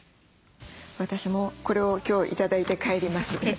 私もこれを今日頂いて帰ります。